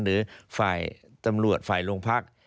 หรือฝ่ายตำรวจฝ่ายโรงพัก